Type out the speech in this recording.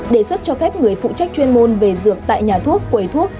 đề xuất cho phép người phụ trách chuyên môn về dược tại nhà thuốc quầy thuốc